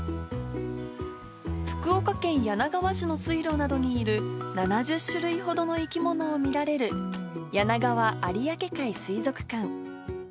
福岡県柳川市の水路などにいる７０種類ほどの生き物を見られるやながわ有明海水族館。